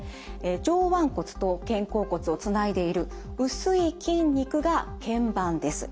上腕骨と肩甲骨をつないでいる薄い筋肉がけん板です。